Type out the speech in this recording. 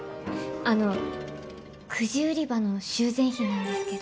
あのくじ売り場の修繕費なんですけど。